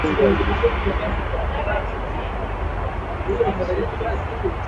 ongeza maji ya hamira kwenye unga